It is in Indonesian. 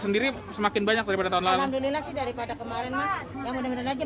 sendiri semakin banyak daripada tahun lalu dari pada kemarin yang udah udah aja masih